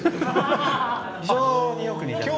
非常によく似てます。